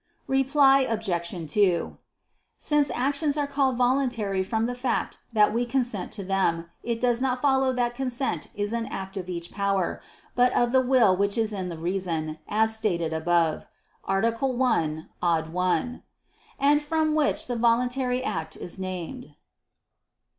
Reply Obj. 2: Since actions are called voluntary from the fact that we consent to them, it does not follow that consent is an act of each power, but of the will which is in the reason, as stated above (A. 1, ad 1), and from which the voluntary act is named.